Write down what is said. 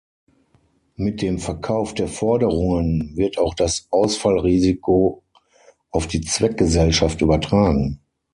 Mit dem Verkauf der Forderungen wird auch das Ausfallrisiko auf die Zweckgesellschaft übertragen.